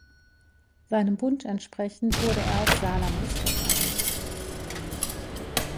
Seinem Wunsch entsprechend, wurde er auf Salamis beerdigt.